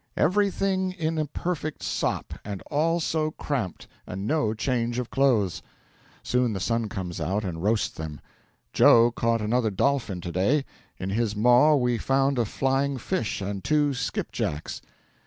'Everything in a perfect sop; and all so cramped, and no change of clothes.' Soon the sun comes out and roasts them. 'Joe caught another dolphin to day; in his maw we found a flying fish and two skipjacks.'